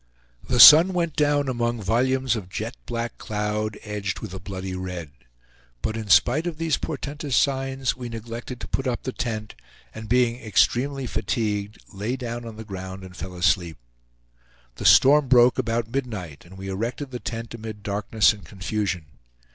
The sun went down among volumes of jet black cloud, edged with a bloody red. But in spite of these portentous signs, we neglected to put up the tent, and being extremely fatigued, lay down on the ground and fell asleep. The storm broke about midnight, and we erected the tent amid darkness and confusion.